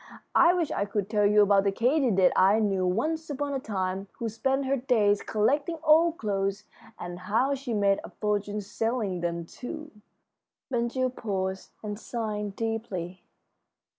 I wish I could tell you about the katydid I knew once upon a time who spent her days collecting old clothes, and how she made a fortune selling them to " Ben Gile paused and sighed deeply.